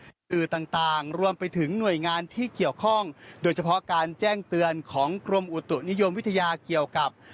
สื่อต่างรวมไปถึงหน่วยงานที่เกี่ยวข้องโดยเฉพาะการแจ้งเตือนของกรมอุตุนิยมวิทยาเกี่ยวกับ